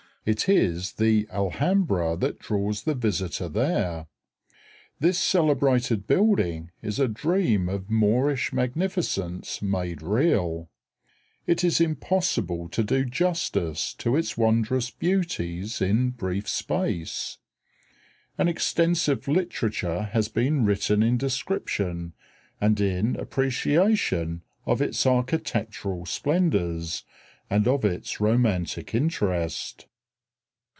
It is the Alhambra that draws the visitor there. This celebrated building is a dream of Moorish magnificence made real. It is impossible to do justice to its wondrous beauties in brief space. An extensive literature has been written in description and in appreciation of its architectural splendors and of its romantic interest.